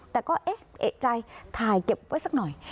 แต่ก็เอกใจท้ายเก็บไว้สักหน่อย